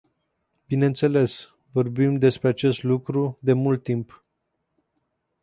Bineînțeles, vorbim despre acest lucru de mult timp.